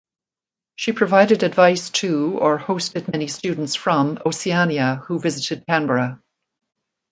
She provided advice to or hosted many students from Oceania who visited Canberra.